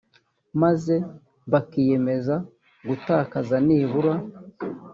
maze bakiyemeza gutakaza nibura